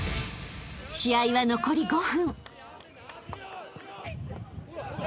［試合は残り５分］